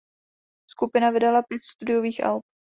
Skupina vydala pět studiových alb.